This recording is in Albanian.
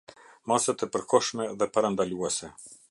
Masat e përkohshme dhe parandaluese.